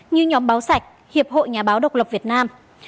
như nhóm báo sạch hiệp hội nhà báo độc lập việt nam